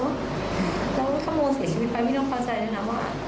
ต้องทำเนอะแล้วถ้าโมเศษมีไปไม่ต้องเข้าใจเลยนะว่า